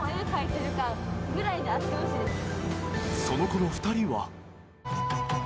［そのころ２人は］